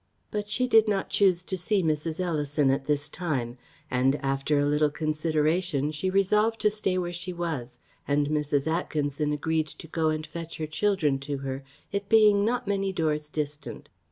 But she did not chuse to see Mrs. Ellison at this time; and, after a little consideration, she resolved to stay where she was; and Mrs. Atkinson agreed to go and fetch her children to her, it being not many doors distant.